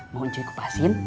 mau cuy kupasin